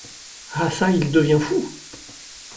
Ah çà ! il devient fou !